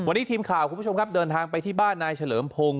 วันนี้ทีมข่าวคุณผู้ชมครับเดินทางไปที่บ้านนายเฉลิมพงศ